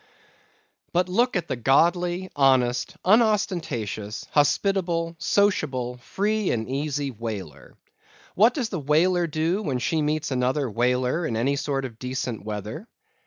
But look at the godly, honest, unostentatious, hospitable, sociable, free and easy whaler! What does the whaler do when she meets another whaler in any sort of decent weather?